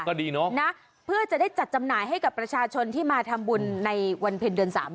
ก็ดีเนอะนะเพื่อจะได้จัดจำหน่ายให้กับประชาชนที่มาทำบุญในวันเพ็ญเดือนสาม